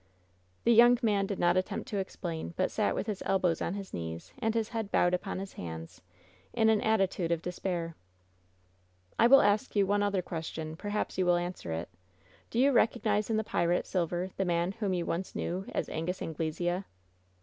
The young man did not attempt to explain, but sat with his elbows on his knees and his head bowed upon his hands, in an attitude of despair. "I will ask you one other question. Perhaps you will answer it. Did you recognize in the pirate Silver the man whom you once knew as Angus Anglesea?"